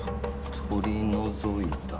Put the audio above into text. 「取り除いた」。